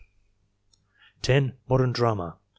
10. Modern drama.